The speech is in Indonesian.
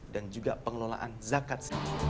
dan juga pengelolaan zakat